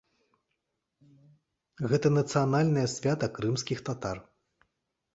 Гэта нацыянальнае свята крымскіх татар.